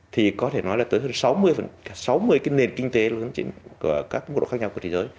thì có thể nói là tới hơn sáu mươi cái nền kinh tế lớn trên các mức độ khác nhau của thế giới